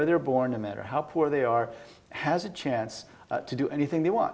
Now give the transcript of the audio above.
teknologi dan kecerdasan artifisial